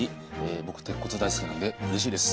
僕、鉄骨大好きなんでうれしいです。